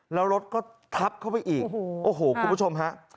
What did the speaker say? แล้วรถก็ทับเข้าไปอีกโอ้โหคุณผู้ชมฮะ